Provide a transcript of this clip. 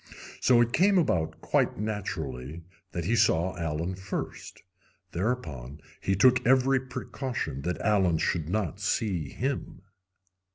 So it came about quite naturally that he saw Allen first. Thereupon he took every precaution that Allen should not see him.